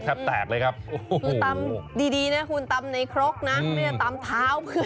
คุณตำดีคุณตำนัยครกนะะเค้าก็ไม่ได้ตำเท้าเปิ่ร้าค่ะ